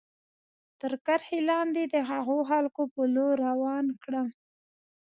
تر کرښې لاندې د هغو خلکو په لور روان کړم.